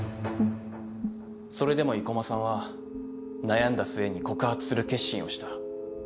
それでも生駒さんは悩んだ末に告発する決心をした。